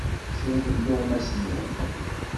Ssirdem tuɣmas-nwen.